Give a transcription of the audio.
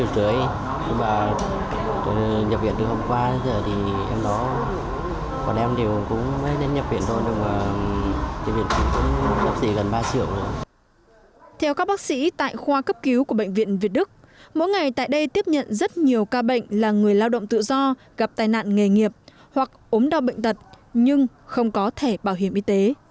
theo các bác sĩ tại khoa cấp cứu của bệnh viện việt đức mỗi ngày tại đây tiếp nhận rất nhiều ca bệnh là người lao động tự do gặp tai nạn nghề nghiệp hoặc ốm đau bệnh tật nhưng không có thẻ bảo hiểm y tế